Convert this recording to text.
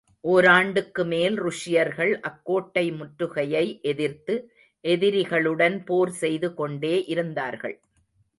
ஓராண்டுக்கு மேல் ருஷ்யர்கள் அக்கோட்டை முற்றுகையை எதிர்த்து எதிரிகளுடன் போர் செய்து கொண்டே இருந்தார்கள்.